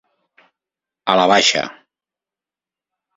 A la baixa.